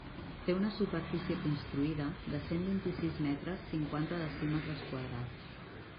Té una superfície construïda de cent vint-i-sis metres, cinquanta decímetres quadrats.